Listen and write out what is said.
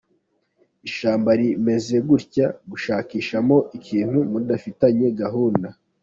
Ishyamba rimeze gutya gushakishamo ikintu mudafitanye gahunda.